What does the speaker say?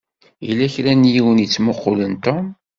Yella kra n yiwen i yettmuqqulen Tom.